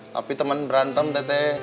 tapi teman berantem tete